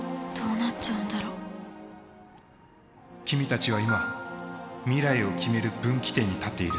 君たちは今未来を決める分岐点に立っている。